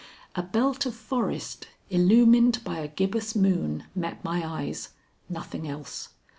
A belt of forest illumined by a gibbous moon met my eyes; nothing else.